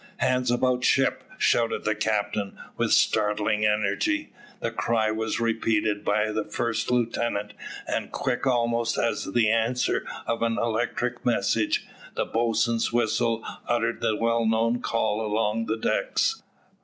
"Hands about ship," shouted the captain, with startling energy. The cry was repeated by the first lieutenant, and quick almost as the answer of an electric message, the boatswain's whistle uttered the well known call along the decks.